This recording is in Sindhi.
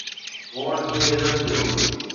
ووٽ کي عزت ڏيو.